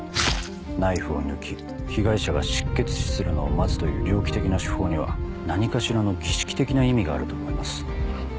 ナイフを抜き被害者が失血死するのを待つという猟奇的な手法には何かしらの儀式的な意味があると思います。